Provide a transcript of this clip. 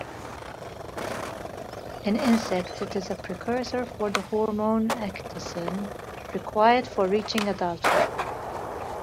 In insects it is a precursor for the hormone ecdysone, required for reaching adulthood.